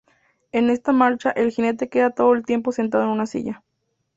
En esta marcha, el jinete queda todo el tiempo sentado en su silla.